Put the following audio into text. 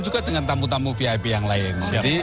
juga dengan tamu tamu vip yang lain jadi